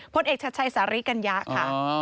โพลต์เอกศาติชายสาริกัญญะค่ะ